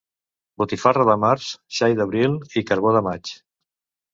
Botifarra de març, xai d'abril i carbó de maig.